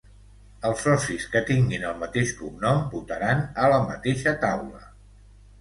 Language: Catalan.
Els socis que tinguin el mateix cognom votaran a la mateixa taula.